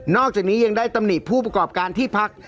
อกจากนี้ยังได้ตำหนิผู้ประกอบการที่พัก